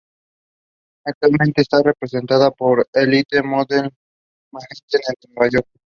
Actualmente está representada por Elite Model Management, de Nueva York.